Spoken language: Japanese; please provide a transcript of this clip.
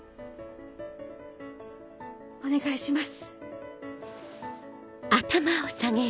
お願いします。